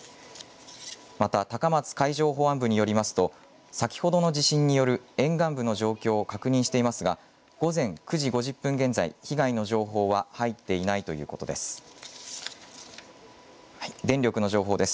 また高松海上保安部によりますと先ほどの地震による沿岸部の状況を確認していますが午前９時５０分現在、被害の情報は入っていないということです。